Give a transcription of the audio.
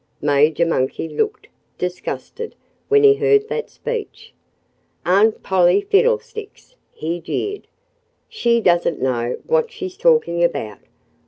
Major Monkey looked disgusted when he heard that speech. "Aunt Polly Fiddlesticks!" he jeered. "She doesn't know what she's talking about.